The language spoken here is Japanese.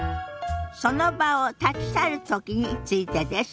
その場を立ち去るときについてです。